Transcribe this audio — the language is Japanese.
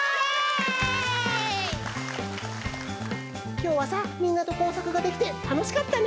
きょうはさみんなと工作ができてたのしかったね。